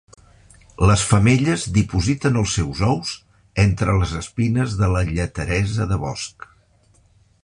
Les femelles dipositen els seus ous entre les espines de la lleteresa de bosc.